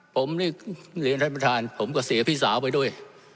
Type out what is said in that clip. ผมนี่เรียนท่านประธานผมก็เสียพี่สาวไปด้วย